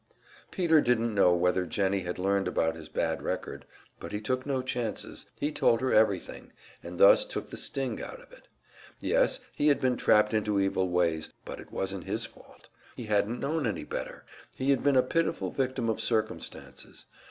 Peter didn't know whether Jennie had learned about his bad record, but he took no chances he told her everything, and thus took the sting out of it. Yes, he had been trapped into evil ways, but it wasn't his fault, he hadn't known any better, he had been a pitiful victim of circumstances.